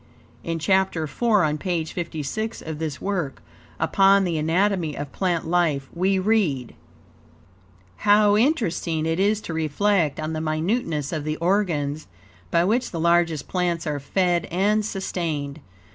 In chapter IV on page 56 of this work, upon the anatomy of plant life, we read: "How interesting it is to reflect on the minuteness of the organs by which the largest plants are fed and sustained.